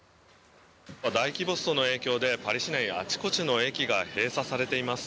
大規模ストの影響でパリ市内あちこちの駅が閉鎖されています。